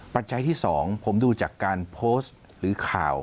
ปัจจัยที่๒ผมดูจากการโพสต์หรือข่าว